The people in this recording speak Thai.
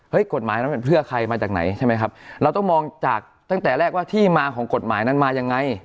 กฎหมายนั้นเป็นเพื่อใครมาจากไหนใช่ไหมครับเราต้องมองจากตั้งแต่แรกว่าที่มาของกฎหมายนั้นมายังไง